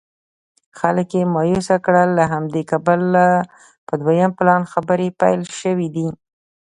خلک یې مایوسه کړل له همدې کبله په دویم پلان خبرې پیل شوې دي.